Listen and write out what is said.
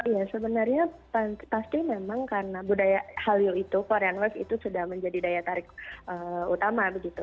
ya sebenarnya pasti memang karena budaya halio itu korean wave itu sudah menjadi daya tarik utama begitu